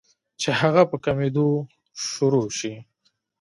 چې هغه پۀ کمېدو شورو شي